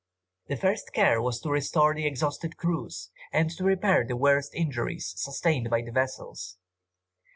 The first care was to restore the exhausted crews, and to repair the worst injuries sustained by the vessels.